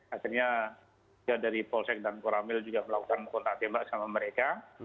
akhirnya dari polsek dan koramil juga melakukan kontak tembak sama mereka